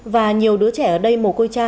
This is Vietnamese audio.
và nhiều đứa trẻ ở đây mồ côi cha